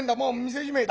店じめえだ。